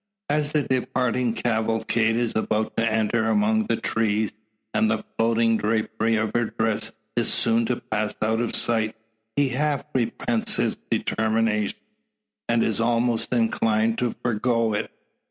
As the departing cavalcade is about to enter among the trees, and the floating drapery of her dress is soon to pass out of sight, he half repents his determination, and is almost inclined to forego it.